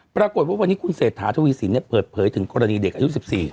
เพราะว่าวันนี้เสถาทุนวิสินเริ่มเปิดเผยถึงรายว่าเด็กอายุ๑๔